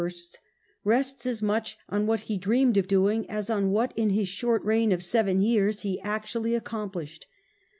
X rests as much on what he dreamed of doing as on what, in his short reign of seven years, he actually accom plished.